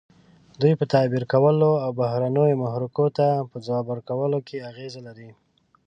دوی په تعبیر کولو او بهرنیو محرکو ته په ځواب ورکولو کې اغیزه لري.